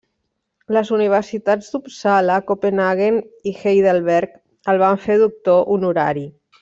Les universitats d'Uppsala, Copenhaguen i Heidelberg el van fer Doctor honorari.